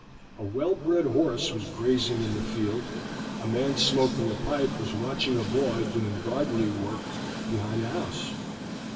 A well bred horse was grazing in the field, a man smoking a pipe was watching a boy doing gardening work behind the house.